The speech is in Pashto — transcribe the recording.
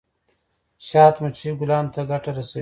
شات مچۍ ګلانو ته ګټه رسوي